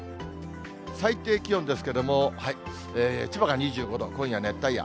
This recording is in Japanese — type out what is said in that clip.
最低気温ですけれども、千葉が２５度、今夜熱帯夜。